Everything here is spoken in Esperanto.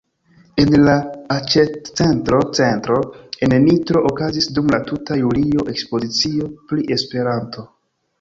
En la aĉetcentro "Centro" en Nitro okazis dum la tuta julio ekspozicio pri Esperanto.